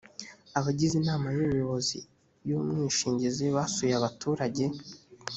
abagize inama y’ubuyobozi y’umwishingizi basuye abaturage